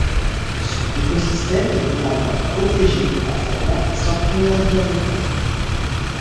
Son écosystème est néanmoins protégé en formant un sanctuaire aviaire d'État.